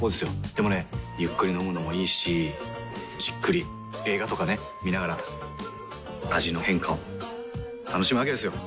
でもねゆっくり飲むのもいいしじっくり映画とかね観ながら味の変化を楽しむわけですよ。